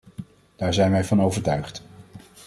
Daar zijn wij van overtuigd.